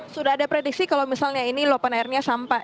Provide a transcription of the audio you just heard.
sudah ada prediksi kalau misalnya ini lopan airnya sampai